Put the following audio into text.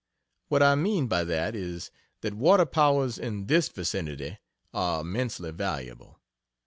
What I mean by that, is, that water powers in THIS vicinity, are immensely valuable.